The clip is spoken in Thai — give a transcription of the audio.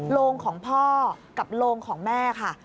โรงของพ่อกับโรงของแม่ค่ะ